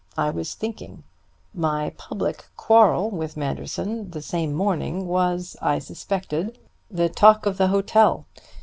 I was thinking. My public quarrel with Manderson the same morning was, I suspected, the talk of the hotel.